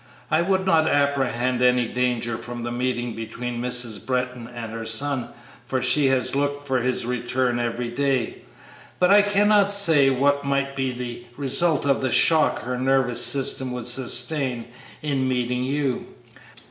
I would not apprehend any danger from the meeting between Mrs. Britton and her son, for she has looked for his return every day; but I cannot say what might be the result of the shock her nervous system would sustain in meeting you.